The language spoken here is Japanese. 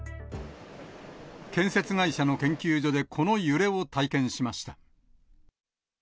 建設会社の研究所でこの揺れを体験しました。